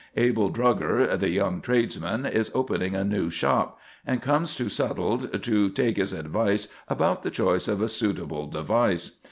Abel Drugger, the young tradesman, is opening a new shop, and comes to Subtle to take his advice about the choice of a suitable device.